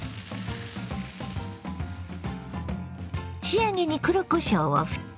仕上げに黒こしょうをふって。